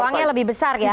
luangnya lebih besar ya